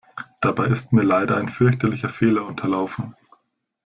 Dabei ist mir leider ein fürchterlicher Fehler unterlaufen.